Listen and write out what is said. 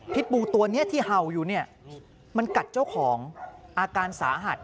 ปูตัวนี้ที่เห่าอยู่เนี่ยมันกัดเจ้าของอาการสาหัส